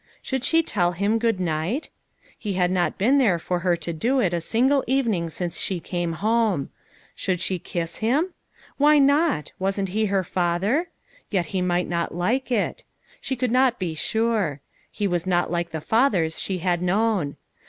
Should she tell him good night ? He had not been there for her to do it a single evening since she came home. Should o o she kiss him ? Why not ? Wasn't he her father ? Yet he might not like it. She could not be sure. He was not like the fathers she had known.